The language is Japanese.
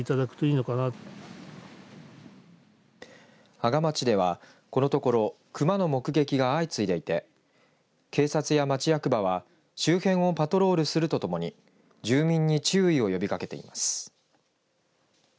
阿賀町ではこのところ熊の目撃が相次いでいて警察や町役場は周辺をパトロールするとともに住民に注意を呼びかけています。